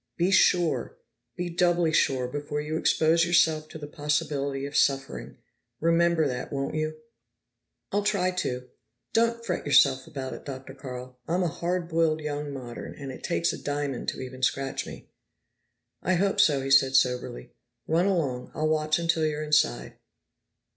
Be sure, be doubly sure, before you expose yourself to the possibility of suffering. Remember that, won't you?" "I'll try to. Don't fret yourself about it, Dr. Carl; I'm a hard boiled young modern, and it takes a diamond to even scratch me." "I hope so," he said soberly. "Run along; I'll watch until you're inside."